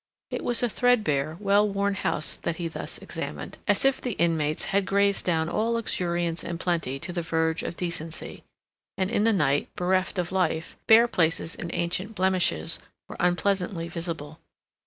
It was a threadbare, well worn house that he thus examined, as if the inmates had grazed down all luxuriance and plenty to the verge of decency; and in the night, bereft of life, bare places and ancient blemishes were unpleasantly visible.